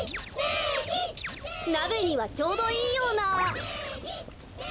なべにはちょうどいいような。